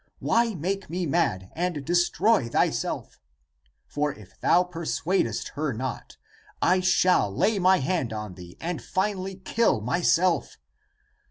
Why make me mad, and destroy thyself? For if thou persuadest her not I shall lay my hand on thee and finally kill myself.